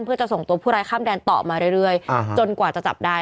เพื่อจะส่งตัวผู้ร้ายข้ามแดนต่อมาเรื่อยจนกว่าจะจับได้